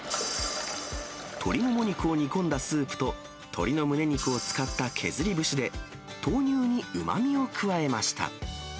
鶏もも肉を煮込んだスープと鶏のむね肉を使った削り節で、豆乳にうまみを加えました。